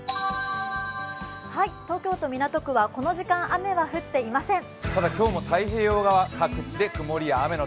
東京都港区はこの時間、雨は降っていません。